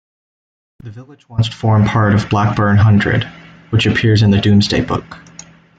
The village once formed part of Blackbourn Hundred, which appears in the Domesday Book.